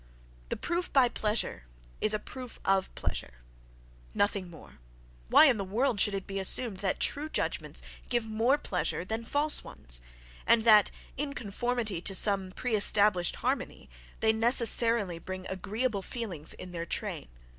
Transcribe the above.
The proof by "pleasure" is a proof of "pleasure"—nothing more; why in the world should it be assumed that true judgments give more pleasure than false ones, and that, in conformity to some pre established harmony, they necessarily bring agreeable feelings in their train?